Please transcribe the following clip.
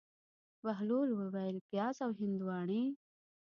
بهلول وویل: پیاز او هندواڼې.